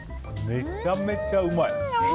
めちゃめちゃうまい。